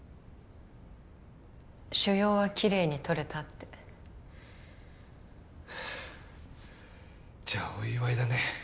腫瘍はきれいにとれたってはあじゃあお祝いだね